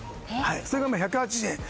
それが１８０円。